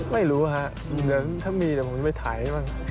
ไม่รู้ค่ะถ้ามีผมจะไปถ่าย